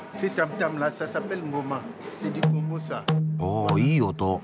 おいい音。